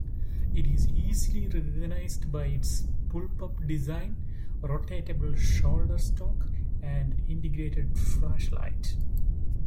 It is easily recognized by its bullpup design, rotatable shoulder stock, and integrated flashlight.